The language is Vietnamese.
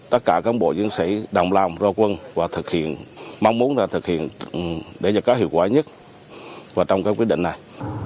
tất cả các bộ nhân sĩ đồng làm đo quân và mong muốn là thực hiện để giúp các hiệu quả nhất trong các quyết định này